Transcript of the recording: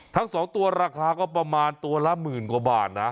ทั้ง๒ตัวราคาก็ประมาณตัวละหมื่นกว่าบาทนะ